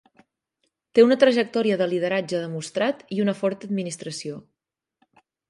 Té una trajectòria de lideratge demostrat i una forta administració.